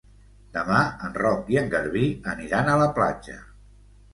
Demà en Roc i en Garbí aniran a la platja.